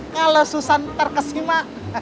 kalau susan terkesima